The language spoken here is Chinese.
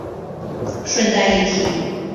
顺带一提